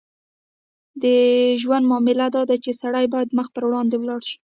د ژوند معامله داده چې سړی باید مخ پر وړاندې ولاړ شي.